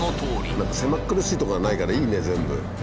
狭っ苦しいとこがないからいいね全部。